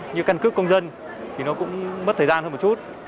như căn cước công dân thì nó cũng mất thời gian hơn một chút